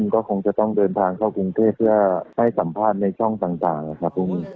ก็คงจะต้องเดินทางเข้ากรุงเทพเพื่อให้สัมภาษณ์ในช่องต่างนะครับ